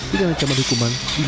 di dalam cemang hukuman